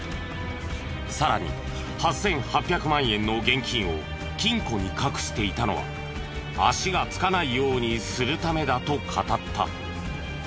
さらに８８００万円の現金を金庫に隠していたのは足がつかないようにするためだと語った。